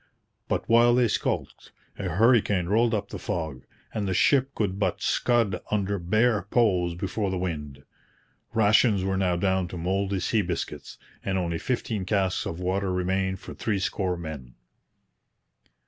But while they skulked, a hurricane rolled up the fog; and the ship could but scud under bare poles before the wind. Rations were now down to mouldy sea biscuits, and only fifteen casks of water remained for three score men.